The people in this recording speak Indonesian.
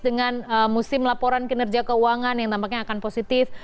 dengan musim laporan kinerja keuangan yang tampaknya akan positif